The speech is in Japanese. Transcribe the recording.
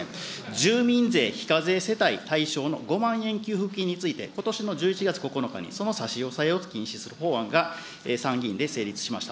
住民税非課税世帯対象の５万円給付金について、ことしの１１月９日に、その差し押さえを禁止する法案が参議院で成立しました。